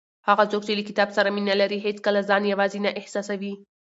هغه څوک چې له کتاب سره مینه لري هیڅکله ځان یوازې نه احساسوي.